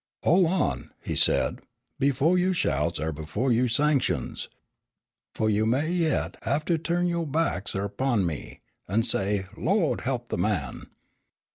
"Hol' on," he said, "befo' you shouts er befo' you sanctions. Fu' you may yet have to tu'n yo' backs erpon me, an' say, 'Lawd he'p the man!'